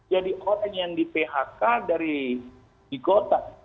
jadi orang yang di phk dari di kota